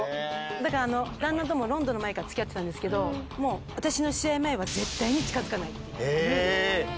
だから、旦那ともロンドンの前からつきあってたんですけど、もう私の試合前は、絶対に近づかない。